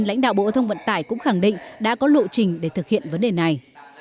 lãnh đạo bộ thông vận tải cũng khẳng định đã có lộ trình để thực hiện vấn đề này